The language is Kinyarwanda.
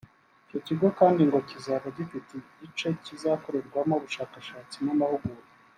Icyo kigo kandi ngo kizaba gifite igice kizakorwarwamo ubushakashatsi n’amahugurwa